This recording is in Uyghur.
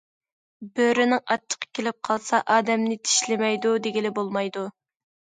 بۆرىنىڭ ئاچچىقى كېلىپ قالسا، ئادەمنى چىشلىمەيدۇ دېگىلى بولمايدۇ.